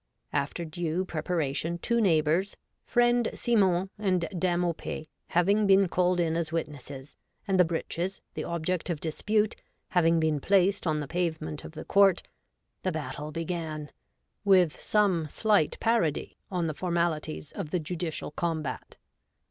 After due preparation, two neighbours, friend Symon and Dame Aupais, having been called in as witnesses, and the breeches, the object of dispute, having been placed on the pavement of the court, the batde began, with some slight parody on the formalities of the judicial combat.